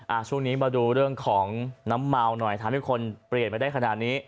ช่วงนี้มาดูเรื่องของน้ำเมาหน่อยทำให้คนเปลี่ยนมาได้ขนาดนี้